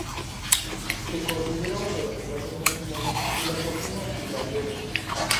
Se considera uno de los platos nacionales de la cocina finlandesa.